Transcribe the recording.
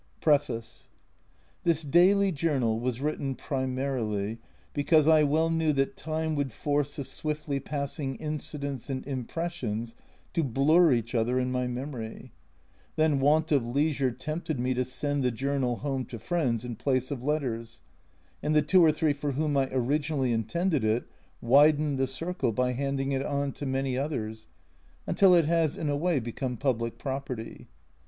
PREFACE THIS daily journal was written primarily because I well knew that time would force the swiftly passing incidents and impressions to blur each other in my memory. Then want of leisure tempted me to send the journal home to friends in place of letters, and the two or three for whom I originally intended it widened the circle by handing it on to many others, until it has, in a way, become public property.